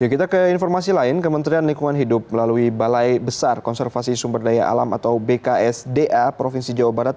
kita ke informasi lain kementerian lingkungan hidup melalui balai besar konservasi sumber daya alam atau bksda provinsi jawa barat